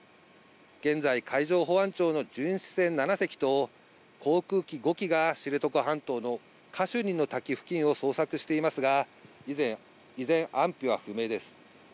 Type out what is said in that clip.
現在、海上保安庁の巡視船７隻と、航空機５機が知床半島のカシュニの滝付近を捜索していますが、依然、安否は不明です。